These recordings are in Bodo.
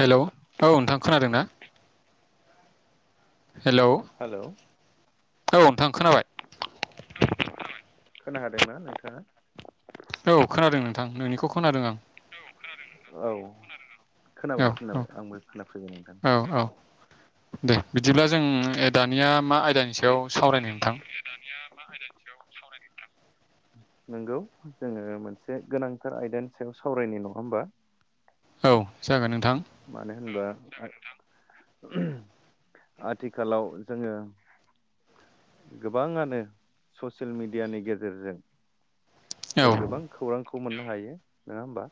हेलौ औ नोंथां खोनादों ना? हेलौ हेलौ औ नोंथां खोनाबाय। खोनाखादों ना नोंथाङा? औ खोनादों नोंथां नोंनिखौ खोनादों आं। औ औ खोनाबाय खोनाबाय आंबो खोनाफैबाय नोंथां। औ औ दे बिदिब्ला जों दानिया मा आयदानि सायाव सावरायनो नोंथां। दानिया मा आइदानि सायावा सावरायनो नोंथां। नंगौ जोङो मोनसे गोनांथार आयदानि सायाव सावरायनि नङा ओमबा? औ जागोन। नोंथां मानो होनबा आथिखालाव जोङो गोबाङानो ससियेल मिडियानि गेजेरजों औ जों गोबां खौरांखौ मोननो हायो नङा ओमबा?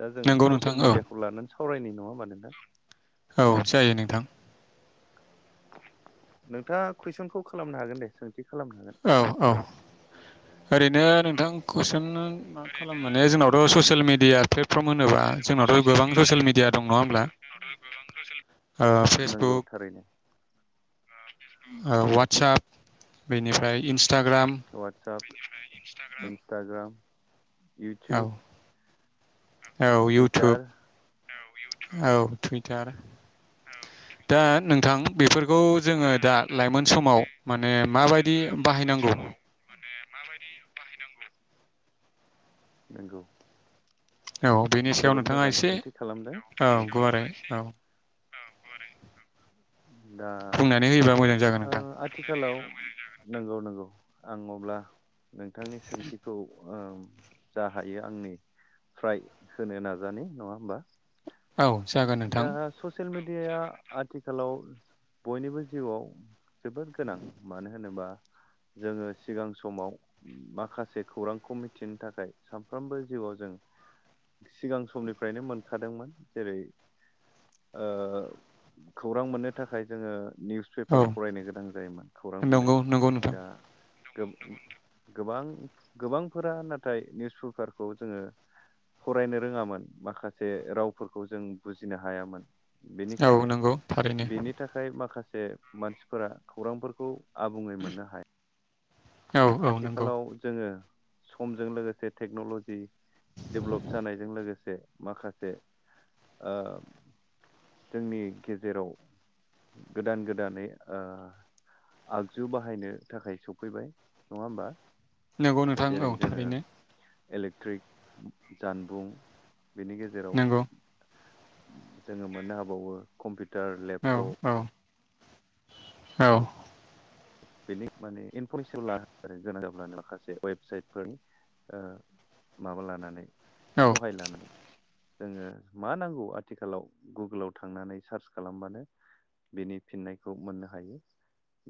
दा जों नंगौ नोंथां ससियेल औ मिडियाखौ लानानै सावरायनाय नङा ओनबा नोंथां? औ जायो नोंथां। नोंथाङा कुइसनखौ खालामनो हागोन दे सों? थि खालामखागोन। औ औ ओरैनो नोंथां कुइसन मा ओरैनो खालाम माने नोंथां जोंनावथ' ससियेल कुइसन मिडिया प्लेटफर्म होनोबा माने जोंथ' जोंनावथ' गोबां ससियेल मिडिया दं नङा होनोबा ओमब्ला? नंगौ फेसबुक थारैनो ओ अवाटसाप बेनिफ्राय इन्सटाग्राम अवाटसाप इन्सटाग्राम। औ इउटुब औ इउटुब टुइटार औ इउटुब औ थुइ तार औ दा टुइटार नोंथां बेफोर गौ जोङो दा लाइमोन समाव माने बेखौ माबायदि बाहायनांगौ। नोंगौ। औ बेनि सायाव नोंथाङा एसे औ गुवारै नोंथाङा औ दा बुंनानै होयोबा मोजां जागोन ओ नोंथां आथिखालाव नंगौ नंगौ आं अब्ला नोंथांनि सोंथिखौ ओ जा हायो आंनिफ्राय होनो नाजानि नङा होमबा? औ जागोन दा नोंथां। [unintelligible] आथिखालाव बयनिबो जिउआव जोबोद गोनां मानो होनोबा जोङो सिगां समाव माखासे खौरांखौ मिथिनो थाखाय सानफ्रोमबो जिउआव जों [inaudible] सिगां समनिफ्रायनो मोनखादोंमोन जेरै ओ खौरां मोननो थाखाय जोङो निउस औ पेपार फरायनो गोनां जायोमोन खौरां नंगौ बिलाइ नंगौ नोंथां दा गोबां गोबांफोरा नाथाय निउस पेपारखौ जोङो फरायनो रोङामोन माखासे रावफोरखौ जों बुजिनो हायामोन। औ बेनिखायनो नंगौ थारैनो बेनि थाखाय माखासे मानसिफोरा खौरांफोरखौ आबुङै मोननो हाया। औ औ नंगौ आथिखालाव जोङो समजों लोगोसे टेक्न'ल'जि डेभेलप जानायजों लोगोसे माखासे ओ जोंनि गेजेराव गोदान गोदानै ओ आगजु बाहायनो थाखाय सफैबाय नङा होमबा? नंगौ नोंथां औ जेरै जोङो थारैनो इलेक्ट्रिक जानबुं बेनि गेजेराव नंगौ जोङो मोननो हाबावो कम्पिउटार औ लेपटप औ औ बेनि माने इनफरमेसन लानो आरो गोनां जाब्लानो माखासे वेबसाइटफोर माबा लानानै औ सहाय लानानै जोङो मा नांगौ आथिखालाव गुगोलाव थांनानै सार्च खालामबानो बेनि फिननायखौ मोननो हायो।